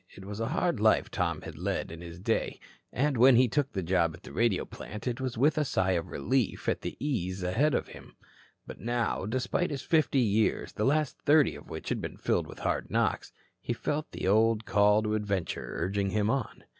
It was a hard life Tom had led in his day and when he took the job at the radio plant it was with a sigh of relief at the ease ahead of him. But now despite his fifty years, the last thirty of which had been filled with hard knocks, he felt the old call to adventure urging him on.